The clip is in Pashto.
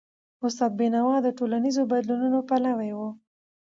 استاد بینوا د ټولنیزو بدلونونو پلوی و.